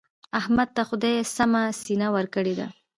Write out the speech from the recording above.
احمد ته خدای سمه سینه ورکړې ده.